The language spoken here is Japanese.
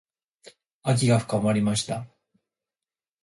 秋が深まりました。